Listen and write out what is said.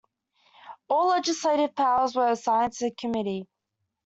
All legislative powers were assigned to the Committee.